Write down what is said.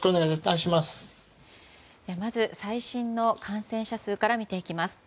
まず、最新の感染者数から見ていきます。